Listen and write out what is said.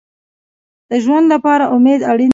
د ژوند لپاره امید اړین دی